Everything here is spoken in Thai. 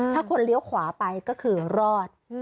ถ้าคนเลี้ยวขวาไปก็คือรอด